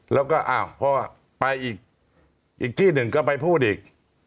แล้วก็อ้าวพอไปอีกที่หนึ่งก็ไปพูดอีก